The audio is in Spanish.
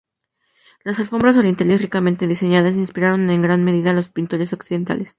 Las alfombras orientales ricamente diseñadas inspiraron en gran medida a los pintores occidentales.